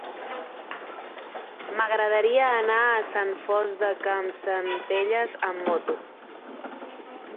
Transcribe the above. M'agradaria anar a Sant Fost de Campsentelles amb moto.